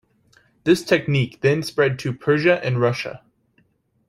This technique then spread to Persia and Russia.